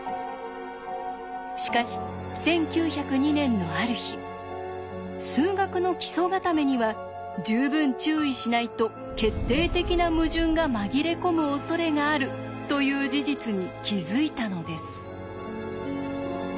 しかし１９０２年のある日数学の基礎固めには十分注意しないと決定的な矛盾が紛れ込むおそれがあるという事実に気づいたのです。